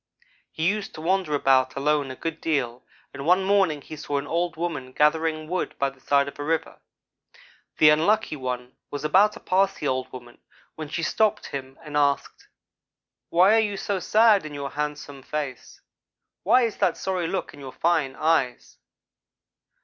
He used to wander about alone a good deal, and one morning he saw an old woman gathering wood by the side of a River. The Unlucky one was about to pass the old woman when she stopped him and asked: "'Why are you so sad in your handsome face? Why is that sorry look in your fine eyes?'